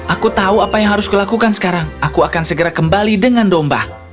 aku tahu apa yang harus kulakukan sekarang aku akan segera kembali dengan domba